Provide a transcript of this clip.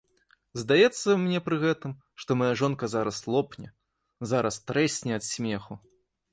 Здаецца мне пры гэтым, што мая жонка зараз лопне, зараз трэсне ад смеху.